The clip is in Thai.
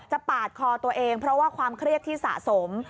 ปาดคอตัวเองเพราะว่าความเครียดที่สะสม